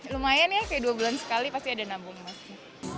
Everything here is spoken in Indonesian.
lumayan ya kayak dua bulan sekali pasti ada nabung emasnya